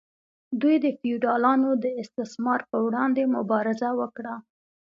دوی د فیوډالانو د استثمار پر وړاندې مبارزه وکړه.